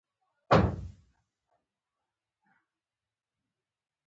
بدرنګه چاپېریال ذهن نارامه کوي